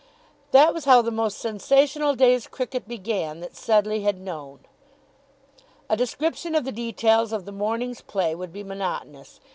That was how the most sensational day's cricket began that Sedleigh had known. A description of the details of the morning's play would be monotonous.